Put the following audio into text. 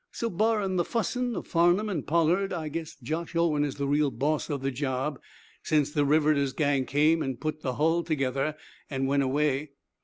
So, barrin' the fussing of Farnum and Pollard, I guess Josh Owen is the real boss of the job, since the riveters' gang came an' put the hull together, an' went away."